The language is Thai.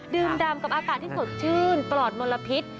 ดำกับอากาศที่สดชื่นปลอดมลพิษ